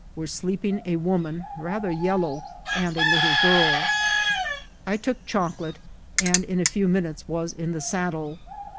were ileeping a woman, rather yellow, and a little girL I took chocolate, and in a few minutes waa in the sad* die.